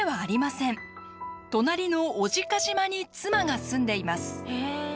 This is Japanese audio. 隣の小値賀島に妻が住んでいます。